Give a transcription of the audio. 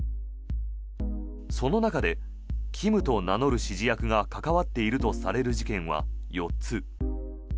その中でキムと名乗る指示役が関わっているとされる事件は４つ。